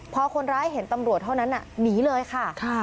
พอคนร้ายเห็นตำรวจเท่านั้นหนีเลยค่ะ